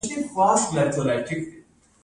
د بیوزلۍ په کمولو کې مرسته کوي.